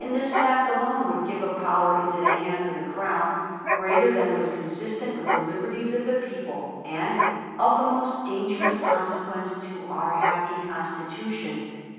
this fact alone would give a power into the hands of the Crown greater than was consistent with the liberties of the people, and ' of the most dangerous consequence to our happy constitution.'